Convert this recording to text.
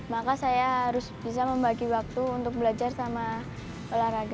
maka saya harus bisa membagi waktu untuk belajar sama olahraga